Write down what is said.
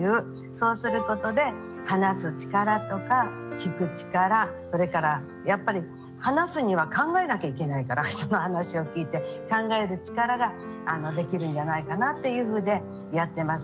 そうすることで話す力とか聞く力それからやっぱり話すには考えなきゃいけないから人の話を聞いて考える力ができるんじゃないかなっていうふうでやってます。